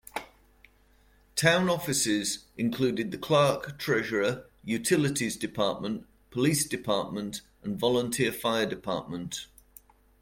Town offices include the clerk treasurer, utilities department, police department, and volunteer fire department.